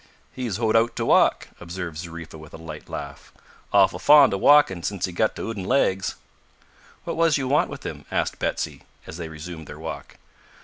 "He's hoed out to walk," observed Zariffa with a light laugh; "awful fond o' walkin' since he got the 'ooden legs!" "What was you want with him?" asked Betsy, as they resumed their walk.